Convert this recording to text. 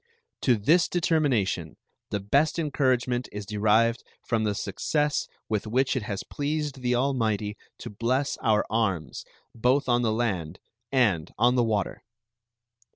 To this determination the best encouragement is derived from the success with which it has pleased the Almighty to bless our arms both on the land and on the water.